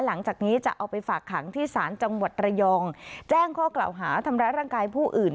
หลังจากนี้จะเอาไปฝากขังที่ศาลจังหวัดระยองแจ้งข้อกล่าวหาทำร้ายร่างกายผู้อื่น